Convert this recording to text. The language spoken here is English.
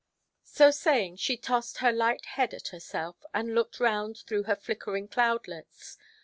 So saying, she tossed her light head at herself, and looked round through her flickering cloudlets.